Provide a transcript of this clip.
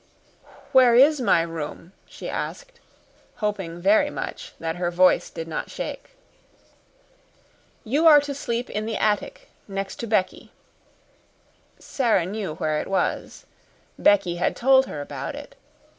"Where is my room?" she asked, hoping very much that her voice did not shake. "You are to sleep in the attic next to Becky." Sara knew where it was. Becky had told her about it.